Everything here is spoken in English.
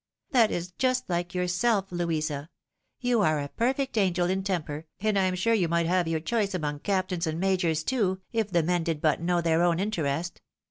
"That is just Uke yourself, Louisa! You are a perfect angel in temper, and I am sure you might have your choice among captains and majors too, if the men did but know their own interest.